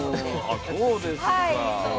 あっそうですか。